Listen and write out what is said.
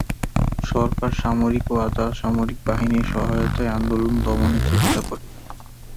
সরকার সামরিক ও আধা-সামরিক বাহিনীর সহায়তায় আন্দোলন দমনের চেষ্টা করে।